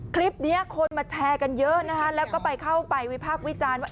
คลิปนี้คนมาแชร์กันเยอะแล้วก็ไปเข้าไปวิภาพวิจารณ์